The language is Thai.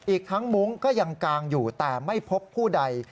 อีกทั้งมุ้งก็ยังกางอยู่แต่ไม่พบผู้ใด